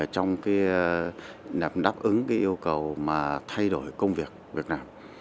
trong đáp ứng cái yêu cầu mà thay đổi công việc việt nam